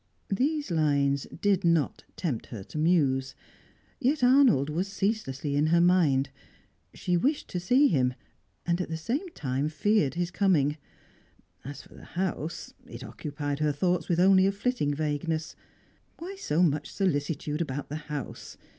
These lines did not tempt her to muse. Yet Arnold was ceaselessly in her mind. She wished to see him, and at the same time feared his coming. As for the house, it occupied her thoughts with only a flitting vagueness. Why so much solicitude about the house?